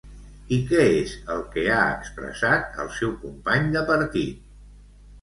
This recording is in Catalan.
I què és el que ha expressat el seu company de partit?